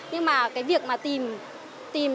nhưng mà cái việc mà tìm